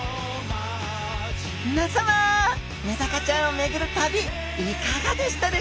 皆さまメダカちゃんを巡る旅いかがでしたでしょうか？